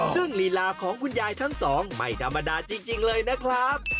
ซึ่งลีลาของคุณยายทั้งสองไม่ธรรมดาจริงเลยนะครับ